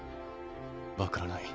分からない。